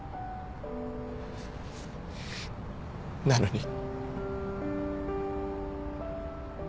なのに。